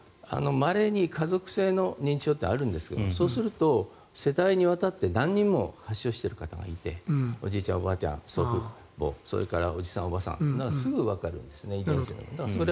まれに家族性の認知症ってあるんですがそうすると世代にわたって何人も発症している方がいて祖父母などそれからおじさん、おばさんすぐわかるんですね。